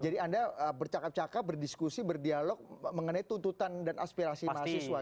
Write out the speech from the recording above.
jadi anda bercakap cakap berdiskusi berdialog mengenai tuntutan dan aspirasi mahasiswa gitu ya